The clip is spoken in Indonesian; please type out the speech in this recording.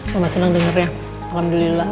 mama seneng dengarnya alhamdulillah